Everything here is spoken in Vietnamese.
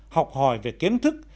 học hỏi về kiến thức